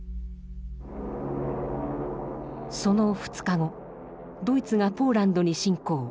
その２日後ドイツがポーランドに侵攻。